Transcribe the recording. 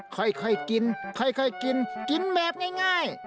ค่อยกินค่อยกินกินแบบง่าย